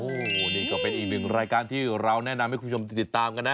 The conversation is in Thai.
โอ้โหนี่ก็เป็นอีกหนึ่งรายการที่เราแนะนำให้คุณผู้ชมติดตามกันนะ